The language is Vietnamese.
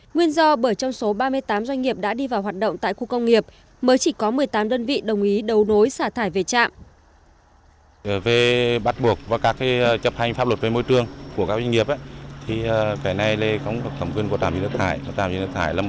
nguyên do bởi trong số ba mươi tám doanh nghiệp đã đi vào hoạt động tại khu công nghiệp mới chỉ có một mươi tám đơn vị đồng ý đấu nối xả thải về trạm